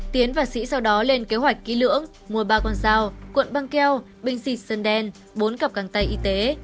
tiến và sĩ sau đó lên kế hoạch kỹ lưỡng mua ba con dao cuộn băng keo bình xịt sơn đen bốn cặp găng tay y tế